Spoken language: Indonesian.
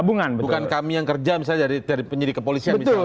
bukan kami yang kerja misalnya dari penyidik kepolisian misalnya